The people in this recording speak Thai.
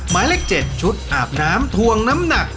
หมายเลข๗ชุดอาบน้ำทวงน้ำหนัก